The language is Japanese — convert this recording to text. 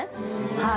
はい。